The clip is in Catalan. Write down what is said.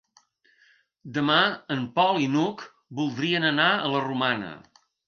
Demà en Pol i n'Hug voldrien anar a la Romana.